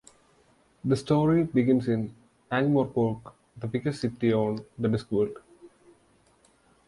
The story begins in Ankh-Morpork, the biggest city on the Discworld.